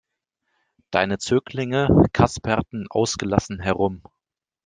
Deine Zöglinge kasperten ausgelassen herum.